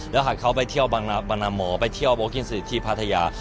แล้วหากเขาไปเที่ยวบางนาหมอไปเที่ยวโบกินสนิทที่พัทยา